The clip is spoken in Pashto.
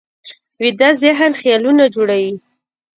ویده ذهن خیالونه جوړوي